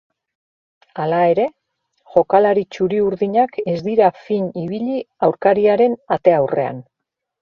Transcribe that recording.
Hala ere, jokalari txuri-urdinak ez dira fin ibili aurkariaren ate aurrean.